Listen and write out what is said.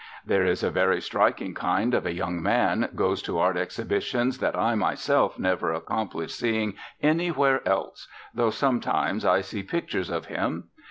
There is a very striking kind of a young man goes to art exhibitions that I myself never accomplish seeing anywhere else, though sometimes I see pictures of him.